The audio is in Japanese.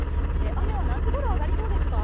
雨は何時ごろ上がりそうですか？